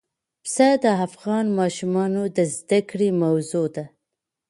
پسه د افغان ماشومانو د زده کړې موضوع ده.